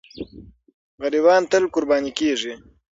غریبان تل قرباني کېږي.